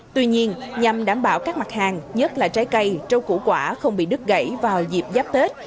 tuy nhiên nhằm đảm bảo các mặt hàng nhất là trái cây rau củ quả không bị đứt gãy vào dịp giáp tết